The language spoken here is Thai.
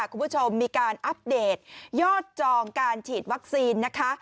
คุณผู้ชมมีการอัปเดตยอดจองการฉีดวัคซีนนะคะ